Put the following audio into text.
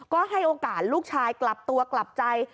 ก็ให้โอกาสลูกชายกลับตัวกลับใจ